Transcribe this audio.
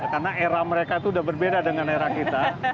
karena era mereka sudah berbeda dengan era kita